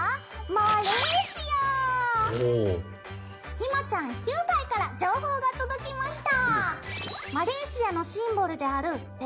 ひまちゃん９歳から情報が届きました！